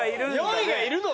４位がいるの？